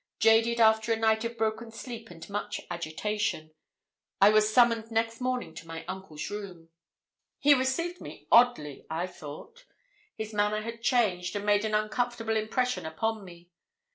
Jaded after a night of broken sleep and much agitation, I was summoned next morning to my uncle's room. He received me oddly, I thought. His manner had changed, and made an uncomfortable impression upon me.